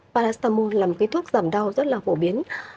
paracetamol là một thuốc giảm đau rất phổ biến